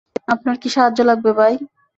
আপনার কি সাহায্য লাগবে, ভাই?